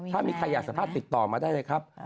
ถ้ามีใครอยากสามารถติดต่อมาได้เลยครับ